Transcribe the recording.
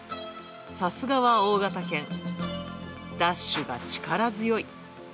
さすがは大型犬、ダッシュが力強い。